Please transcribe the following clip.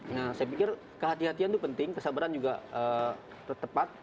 nah saya pikir kehati hatian itu penting kesabaran juga tertepat